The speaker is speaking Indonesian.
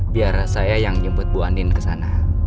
biar saya yang nyemput bu andin kesana